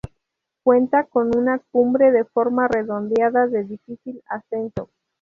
Cuenta con una cumbre de forma redondeada, de difícil ascenso.